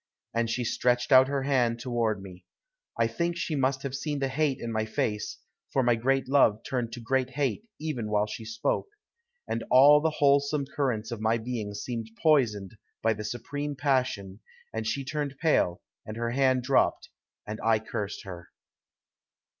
And she stretched out her hand toward me. I think she must have seen the hate in my face, for my great love turned to great hate even while she spoke, and all the wholesome currents of my being seemed poisoned by the supreme passion, and she turned pale, and her hand dropped, and I cursed her.